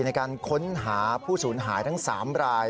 ในการค้นหาผู้สูญหายทั้ง๓ราย